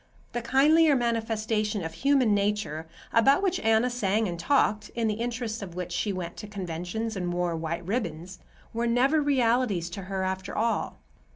The kindlier manifestation of human nature (about which Anna sang and talked, in the interests of which she went to conventions and wore white ribbons) were never realities to her after all.